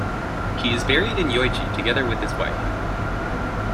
He is buried in Yoichi together with his wife.